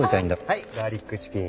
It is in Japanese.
はいガーリックチキン。